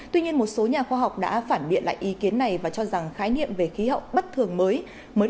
tuy nhiên một số nhà khoa học đã phản biện lại ý kiến này và cho rằng khái niệm về khí hậu bất thường mới